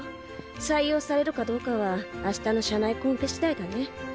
採用されるかどうかはあしたの社内コンペしだいだね。